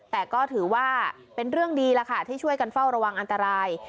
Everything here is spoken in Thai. แต่ก็ถือว่าเป็นเรื่องดีแล้วค่ะที่ช่วยกันเฝ้าระวังอันตราย